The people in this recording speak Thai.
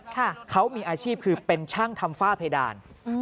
เขามีอาชีพคือเป็นช่างทำฝ้าเพดานอืม